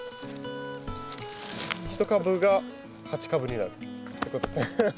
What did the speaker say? １株が８株になるってことですね。